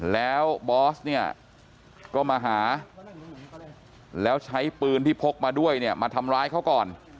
แล้วบอสเนี่ยก็มาหาแล้วใช้ปืนที่พกมาด้วยเนี่ยมาทำร้ายเขาก่อน